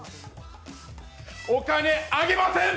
お金あげません！！